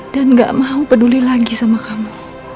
dan gak mau peduli lagi sama kamu